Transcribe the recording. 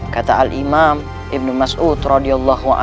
kata alimam ibn masud ra